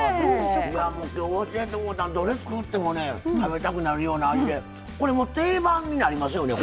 今日、教えてもらって食べたくなるような味でこれ、定番になりますよね。